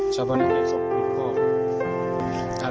ชาปนักเกษตร